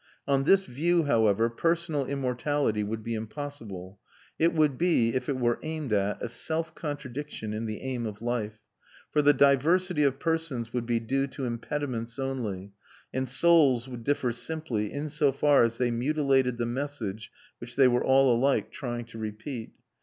On this view, however, personal immortality would be impossible; it would be, if it were aimed at, a self contradiction in the aim of life; for the diversity of persons would be due to impediments only, and souls would differ simply in so far as they mutilated the message which they were all alike trying to repeat.